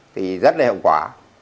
thì rất là hợp quả